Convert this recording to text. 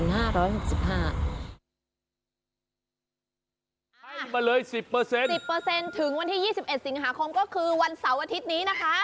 ให้มาเลย๑๐๑๐ถึงวันที่๒๑สิงหาคมก็คือวันเสาร์อาทิตย์นี้นะคะ